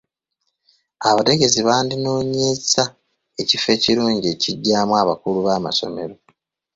Abategesi bandinoonyezza ekifo ekirungi ekigyamu abakulu b'amasomero.